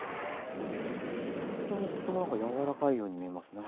とってもとっても何か柔らかいように見えますね。